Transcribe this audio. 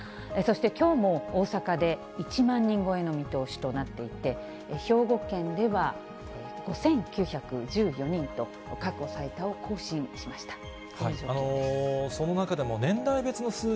そしてきょうも大阪で１万人超えの見通しとなっていて、兵庫県では５９１４人と、過去最多を更新しました。